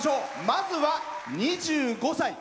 まずは２５歳。